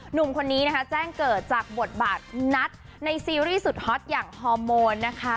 หนุ่มคนนี้นะคะแจ้งเกิดจากบทบาทนัทในซีรีส์สุดฮอตอย่างฮอร์โมนนะคะ